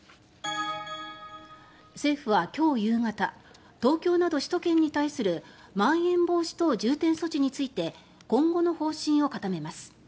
政府は今日夕方東京など首都圏に対するまん延防止等重点措置について今後の方針を固めます。